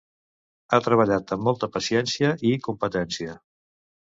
ha treballat amb molta paciència i competència